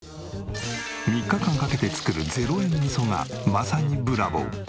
３日間かけて作る０円味噌がまさにブラボー。